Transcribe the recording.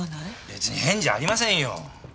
別に変じゃありませんよ。